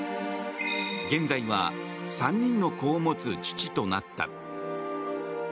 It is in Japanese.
現在は３人の子を持つ父となった。